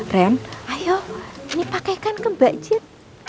rem ayo ini pakaikan ke mbak jen